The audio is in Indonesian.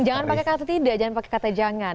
jangan pakai kata tidak jangan pakai kata jangan